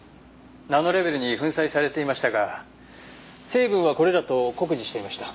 ナノレベルに粉砕されていましたが成分はこれらと酷似していました。